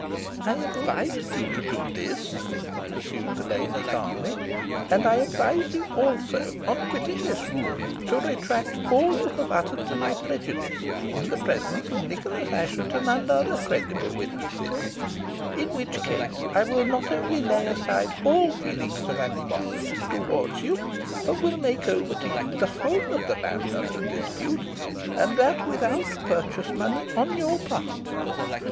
"I advise you to do this," pursued the lady, calmly, "and I advise you, also, on quitting this room, to retract all you have uttered to my prejudice, in the presence of Nicholas Assheton and other credible witnesses; in which case I will not only lay aside all feelings of animosity towards you, but will make over to you the whole of the land under dispute, and that without purchase money on your part."